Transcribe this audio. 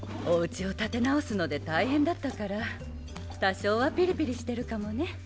おうちを建て直すので大変だったから多少はピリピリしてるかもね。